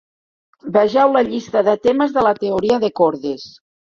"Vegeu la llista de temes de la teoria de cordes."